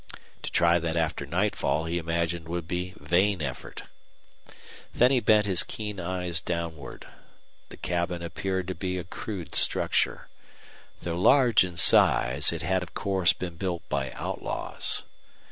To try that after nightfall he imagined would be vain effort. Then he bent his keen eyes downward. The cabin appeared to be a crude structure. Though large in size, it had, of course, been built by outlaws.